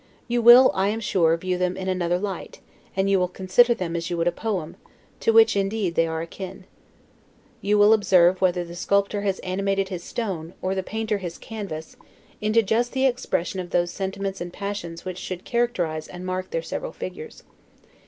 You will, I am sure, view them in another light; you will consider them as you would a poem, to which indeed they are akin. You will observe whether the sculptor has animated his stone, or the painter his canvas, into the just expression of those sentiments and passions which should characterize and mark their several figures.